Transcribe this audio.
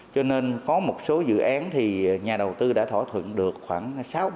cho nên có một số dự án thì nhà đầu tư đã thỏa thuận được khoảng sáu mươi